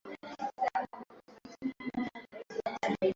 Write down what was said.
Huwezi kufanya kazi hiyo yote